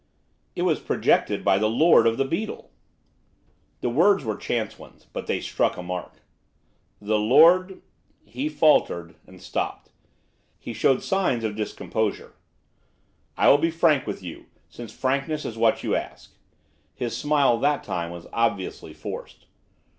'It was projected by the Lord of the Beetle.' The words were chance ones, but they struck a mark. 'The Lord ' He faltered, and stopped. He showed signs of discomposure. 'I will be frank with you, since frankness is what you ask.' His smile, that time, was obviously forced.